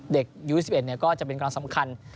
เด็กอยู่๒๑ก็จะเป็นการสำคัญ